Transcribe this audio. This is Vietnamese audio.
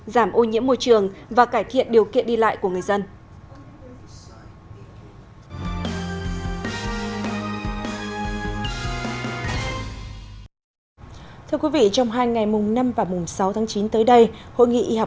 giảm ô nhiễm môi trường và cải thiện điều kiện đi lãnh